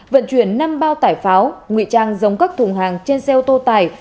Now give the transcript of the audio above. vận chuyển năm bao tải pháo nguy trang giống các thùng hàng trên xe ô tô tải